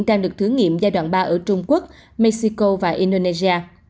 đang được thử nghiệm giai đoạn ba ở trung quốc mexico và indonesia